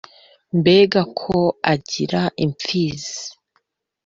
Mbega ko aragira imfizi